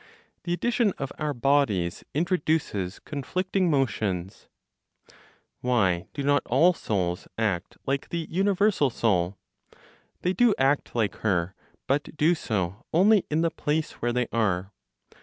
THE ADDITION OF OUR BODIES INTRODUCES CONFLICTING MOTIONS. Why do not all souls act like the universal Soul? They do act like her, but do so only in the place where they are.